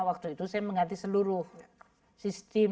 waktu itu saya mengganti seluruh sistem